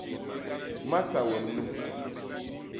Masa wem nu!